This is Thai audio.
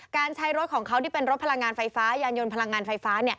การใช้รถของเขาที่เป็นรถพลังงานไฟฟ้ายานยนต์พลังงานไฟฟ้า